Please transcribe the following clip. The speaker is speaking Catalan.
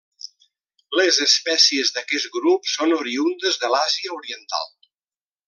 Les espècies d'aquest grup són oriündes de l'Àsia Oriental.